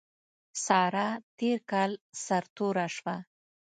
سارا تېر کال سر توره شوه.